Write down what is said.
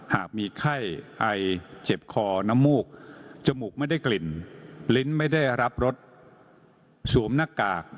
หากมีไข้ไอเจ็บคอน้ำมูกจมูกไม่ได้กลิ่นลิ้นไม่ได้รับรสสวมหน้ากาก